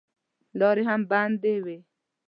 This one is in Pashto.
لارې هم بندې وې.